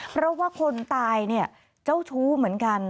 เพราะว่าคนตายเนี่ยเจ้าชู้เหมือนกัน